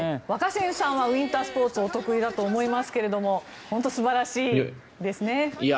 若新さんはウィンタースポーツお得意だと思いますが本当に素晴らしいですね。